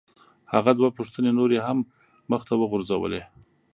هغه دوه پوښتنې نورې هم مخ ته وغورځولې.